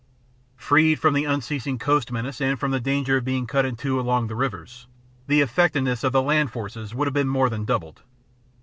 Freed from the unceasing coast menace and from the danger of being cut in two along the rivers, the effectiveness of the land forces would have been more than doubled.